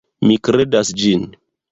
Mi kredas ĝin.